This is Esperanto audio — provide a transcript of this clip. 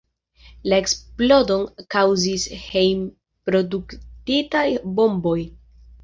La eksplodon kaŭzis hejm-produktitaj bomboj.